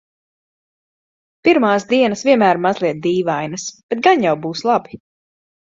Pirmās dienas vienmēr mazliet dīvainas, bet gan jau būs labi.